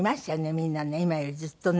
みんなね今よりずっとね。